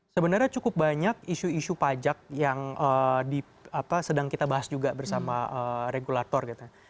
sebenarnya cukup banyak isu isu pajak yang sedang kita bahas juga bersama regulator gitu